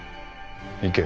行け。